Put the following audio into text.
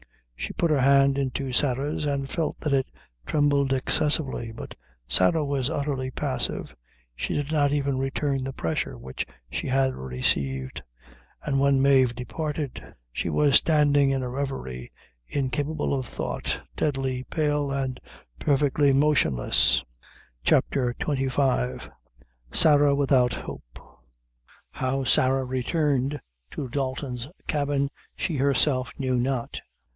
She put her hand into Sarah's and felt that it trembled excessively but Sarah was utterly passive; she did not even return the pressure which she had received, and when Mave departed, she was standing in a reverie, incapable of thought, deadly pale, and perfectly motionless. CHAPTEE XXV. Sarah Without Hope. How Sarah returned to Dalton's cabin she herself knew not.